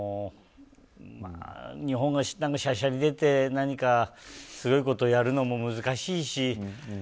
日本がしゃしゃり出て何かすごいことをやるのも難しいし。